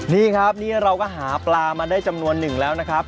นี่ครับนี่เราก็หาปลามาได้จำนวนหนึ่งแล้วนะครับ